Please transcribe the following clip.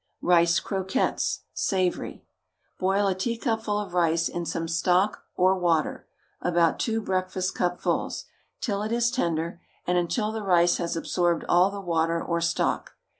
RICE CROQUETTES, SAVOURY. Boil a teacupful of rice in some stock or water (about two breakfastcupfuls), till it is tender, and until the rice has absorbed all the water or stock.